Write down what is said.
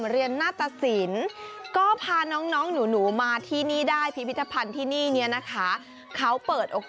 เรียนน่าถ่าสินก็พาน้องหนูมาที่นี่ได้พิพิธภัณฑ์ที่นี่นี่นะคะเขาเปิด